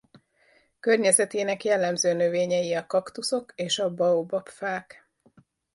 Környezetének jellemző növényei a kaktuszok és a baobab-fák.